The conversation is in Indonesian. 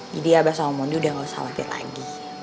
jadi abah sama mondi udah gak usah latihan lagi